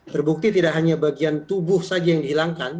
terbukti tidak hanya bagian tubuh saja yang dihilangkan